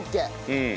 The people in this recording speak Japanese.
うん。